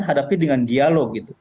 hadapi dengan dialog